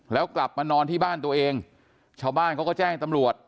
แล้วกลับมานอนที่บ้านตัวเองชาวบ้านเขาก็แจ้งตำรวจ